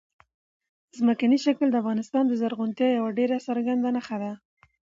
ځمکنی شکل د افغانستان د زرغونتیا یوه ډېره څرګنده نښه ده.